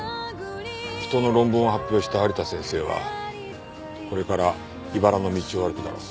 人の論文を発表した有田先生はこれから茨の道を歩くだろう。